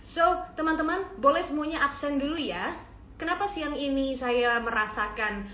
so teman teman boleh semuanya aksen dulu ya kenapa siang ini saya merasakan